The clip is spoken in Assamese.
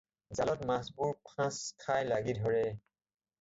জালত মাছবোৰ ফাঁচ খাই লাগি ধৰে।